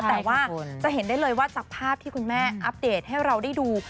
แต่ว่าจะเห็นได้เลยว่าจากภาพที่คุณแม่อัปเดตให้เราได้ดู